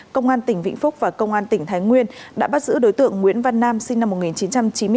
công an tỉnh vĩnh phúc và công an tỉnh thái nguyên đã bắt giữ đối tượng nguyễn văn nam sinh năm một nghìn chín trăm chín mươi hai